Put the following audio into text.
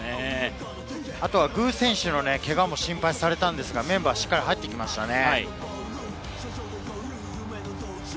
あとは具選手のけがも心配されたんですが、メンバーにしっかり入ってきましたね。